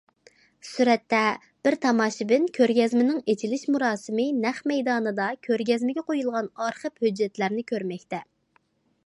سۈرەتتە: بىر تاماشىبىن كۆرگەزمىنىڭ ئېچىلىش مۇراسىمى نەق مەيدانىدا كۆرگەزمىگە قويۇلغان ئارخىپ- ھۆججەتلەرنى كۆرمەكتە.